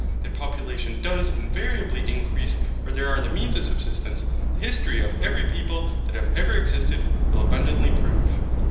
That population does invariably increase where there are the means of subsistence, the history of every people that have ever existed will abundantly prove.